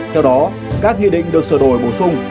theo đó các nghị định được sửa đổi bổ sung